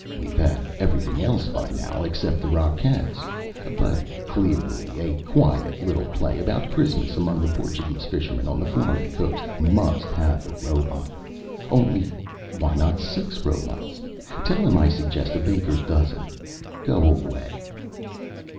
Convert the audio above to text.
We've had everything else by now, except the Rockettes. But clearly a quiet little play about Christmas among the Portuguese fishermen on the Florida coast must have a robot. Only, why not six robots? Tell him I suggest a baker's dozen. Go away."